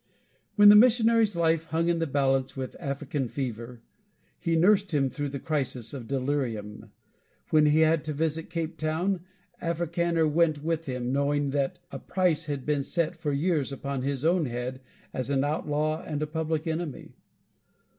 When the missionary's life hung in the balance with African fever, he nursed him through the crisis of delirium. When he had to visit Cape Town, Africaner went with him, knowing that a price had been set for years upon his own head as an outlaw and a public enemy.